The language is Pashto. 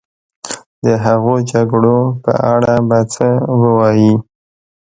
د هغو جګړو په اړه به څه ووایې.